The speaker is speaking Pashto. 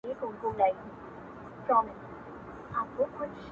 دا كړوپه انا غواړي ـداسي هاسي نه كــــيــــږي ـ